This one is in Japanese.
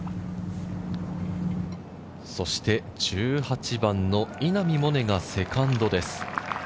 そして、１８番の稲見萌寧がセカンドです。